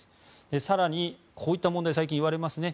更に、こういった問題最近言われますね。